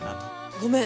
ごめん！